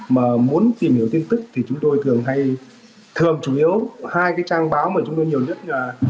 mà muốn tìm hiểu tin tức thì chúng tôi thường hay thường chủ yếu hai cái trang báo mà chúng tôi nhiều nhất là